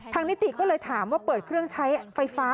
นิติก็เลยถามว่าเปิดเครื่องใช้ไฟฟ้า